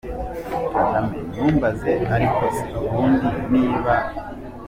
Kagame: Ntumbaze! Ariko se ubundi niba